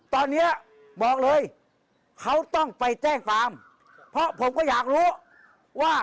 ตอนนี้บอกเลยเขาต้องไปแจ้งความเพราะผมก็อยากรู้ว่า